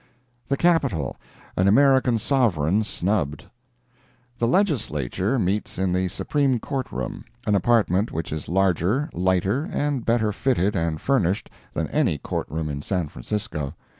THE CAPITOL—AN AMERICAN SOVEREIGN SNUBBED The Legislature meets in the Supreme Court room, an apartment which is larger, lighter and better fitted and furnished than any Courtroom in San Francisco.